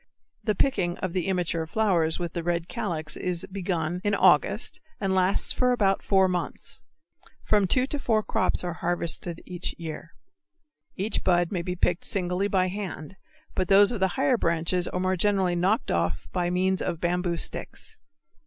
The picking of the immature flowers with the red calyx is begun in August and lasts for about four months. From two to four crops are harvested each year. Each bud may be picked singly by hand, but those of the higher branches are more generally knocked off by means of bamboo sticks.